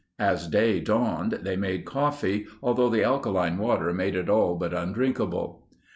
As day dawned, they made coffee, although the alkaline water made it all but undrinkable.